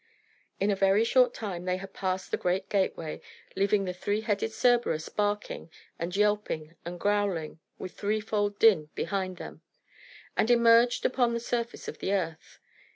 In a very short time they had passed the great gateway (leaving the three headed Cerberus barking, and yelping, and growling, with threefold din, behind them), and emerged upon the surface of the earth.